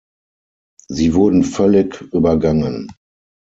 Sie wurden völlig übergangen!